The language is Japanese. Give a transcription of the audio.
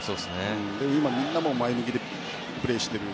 でも今、みんな前向きでプレーしている。